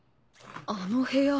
あの部屋。